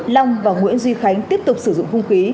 long và nguyễn duy khánh tiếp tục sử dụng hung khí